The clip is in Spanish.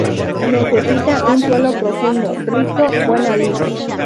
Necesita un suelo profundo, rico, buena luz.